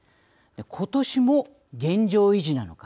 ことしも現状維持なのか。